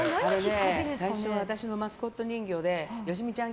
最初、私のマスコット人形でよしみちゃん